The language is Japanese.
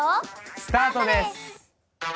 スタートです！